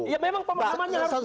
ya memang pemahamannya harus